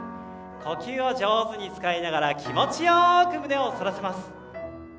呼吸を上手に使いながら気持ちよく胸を反らします。